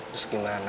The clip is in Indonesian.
terus gimana ma